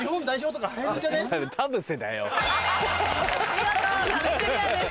見事壁クリアです。